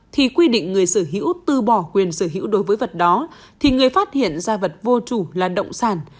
thì quy định người sở hữu tư bỏ quyền sở hữu đối với vật đó thì người phát hiện da vật vô chủ là động sản